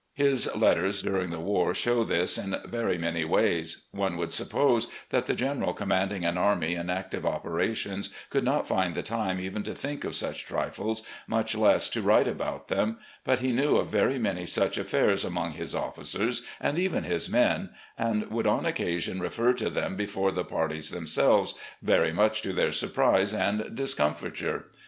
His letters during the war show this in very many ways. One would suppose that the general commanding an army in active operations could not find the time even to think of such trifles, much less to write about them ; but he knew of very many such affairs among his officers and even his men, and would on occasion refer to them before the parties themselves, very much to their surprise and discomfiture.